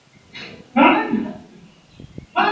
Quedando Tegucigalpa como una Alcaldía Mayor.